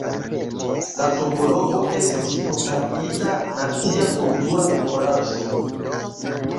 La tombo-loko estis proklamita nacia kultura memoraĵo.